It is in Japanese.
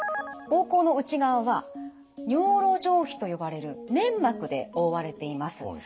膀胱の内側は尿路上皮と呼ばれる粘膜で覆われています。